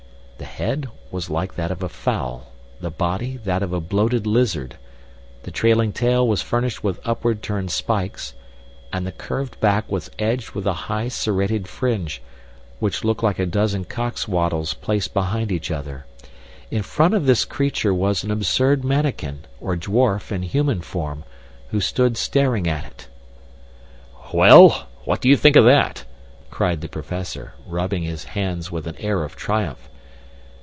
The head was like that of a fowl, the body that of a bloated lizard, the trailing tail was furnished with upward turned spikes, and the curved back was edged with a high serrated fringe, which looked like a dozen cocks' wattles placed behind each other. In front of this creature was an absurd mannikin, or dwarf, in human form, who stood staring at it. "Well, what do you think of that?" cried the Professor, rubbing his hands with an air of triumph.